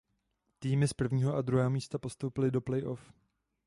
Týmy z prvního a druhého místa postoupily do play off.